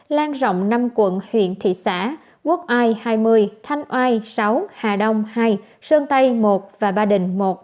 lan rộng năm quận huyện thị xã quốc ai hai mươi thanh oai sáu hà đông hai sơn tây một và ba đình một